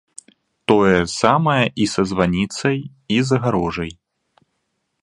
Тое самае і са званіцай, і з агароджай.